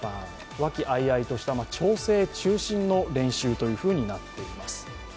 和気あいあいとした、調整中心の練習となっています。